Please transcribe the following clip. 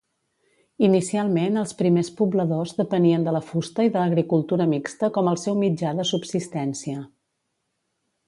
Inicialment, els primers pobladors depenien de la fusta i de l'agricultura mixta com el seu mitjà de subsistència.